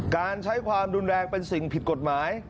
การใช้ความรุนแรงเป็นสิ่งผิดกฎหมาย